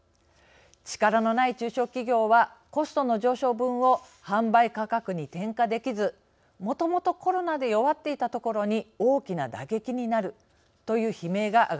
力のない中小企業はコストの上昇分を販売価格に転嫁できずもともとコロナで弱っていたところに大きな打撃になるという悲鳴が上がっています。